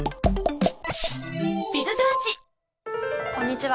こんにちは